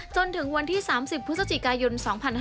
จนถึงวันที่๓๐พฤศจิกายน๒๕๕๙